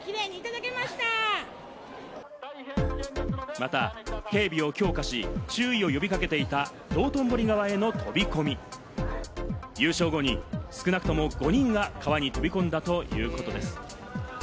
また警備を強化し、注意を呼び掛けていた道頓堀川への飛び込み、優勝後に少なくとも５人が川に飛び込んだということです。